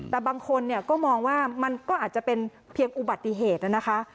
แต่บางคนเนี่ยก็มองว่ามันก็อาจจะเป็นเพียงอุบัติเหตุนะคะ